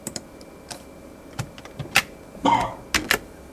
اول ئې زده که، بيا ئې کوزده که.